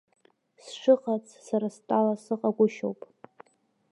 Сшыҟац, сара стәала, сыҟагәышьоуп.